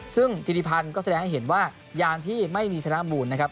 ซึ่งธิริพันธ์ก็แสดงให้เห็นว่ายามที่ไม่มีธนบูรณ์นะครับ